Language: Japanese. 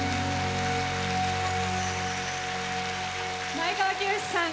前川清さん